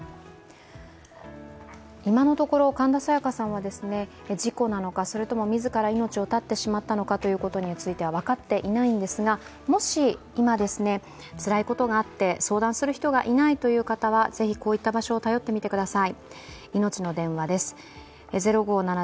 今のところ、神田沙也加さんは事故なのか、それとも自ら命を絶ってしまったのか分かっていないんですが、もし今、つらいことがあって相談する人がいないという方はぜひこういった場所を頼ってみてください。